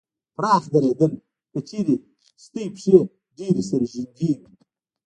پراخ درېدل : که چېرې ستاسې پښې ډېرې سره نږدې وي